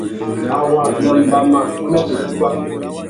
Awa nà mbama wa mà kutu fá.